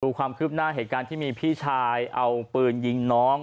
ความคืบหน้าเหตุการณ์ที่มีพี่ชายเอาปืนยิงน้อง